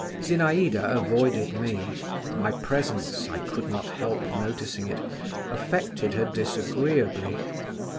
Zinaïda avoided me; my presence—I could not help noticing it—affected her disagreeably.